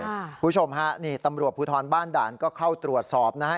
คุณผู้ชมฮะนี่ตำรวจภูทรบ้านด่านก็เข้าตรวจสอบนะฮะ